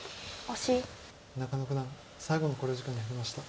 中野九段最後の考慮時間に入りました。